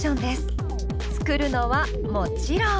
作るのはもちろん。